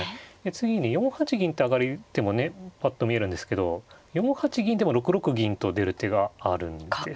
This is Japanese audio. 次に４八銀って上がる手もねぱっと見えるんですけど４八銀でも６六銀と出る手があるんですね。